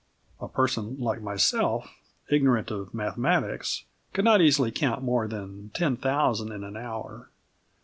A person like myself, ignorant of mathematics, could not easily count more that 10,000 in an hour.